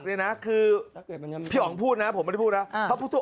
ผมนึกถึงข่าวพระพิดาเลย